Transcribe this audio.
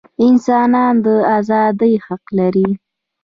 انسانان د ازادۍ حق لري.